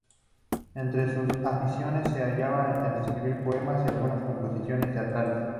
Entre sus aficiones, se hallaba la de escribir poemas y algunas composiciones teatrales.